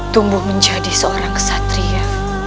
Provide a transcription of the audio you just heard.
tumbuh menjadi seorang satria